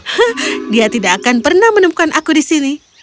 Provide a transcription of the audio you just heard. hah dia tidak akan pernah menemukan aku di sini